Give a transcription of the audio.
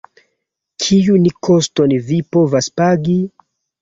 Kiun koston vi povas pagi?